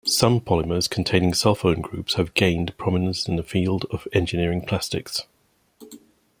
Some polymers containing sulfone groups have gained prominence in the field of engineering plastics.